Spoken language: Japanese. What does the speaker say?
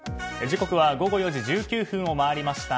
時刻は午後４時１９分を回りました。